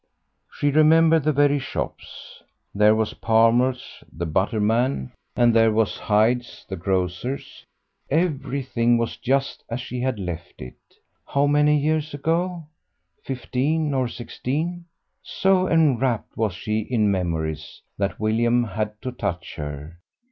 She remembered the very shops there was Palmer's the butterman, and there was Hyde's the grocer's. Everything was just as she had left it. How many years ago? Fifteen or sixteen. So enwrapped was she in memories that William had to touch her.